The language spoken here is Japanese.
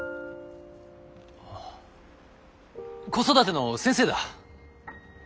子育ての先生だ。